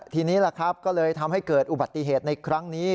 ทีนี้แหละครับก็เลยทำให้เกิดอุบัติเหตุในครั้งนี้